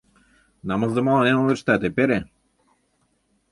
Намысдымыланен ойлыштат эпере.